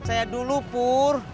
saya dulu pur